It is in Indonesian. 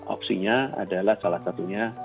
opsinya adalah salah satunya